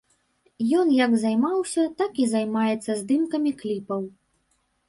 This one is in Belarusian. Ён як займаўся, так і займаецца здымкамі кліпаў.